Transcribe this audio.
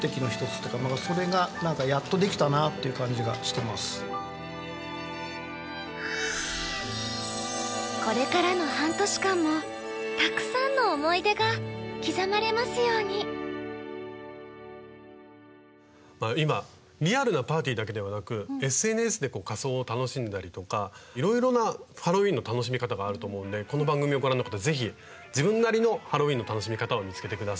子どもたちからこれからの半年間も今リアルなパーティーだけではなくＳＮＳで仮装を楽しんだりとかいろいろなハロウィーンの楽しみ方があると思うんでこの番組をご覧の方ぜひ自分なりのハロウィーンの楽しみ方を見つけて下さい。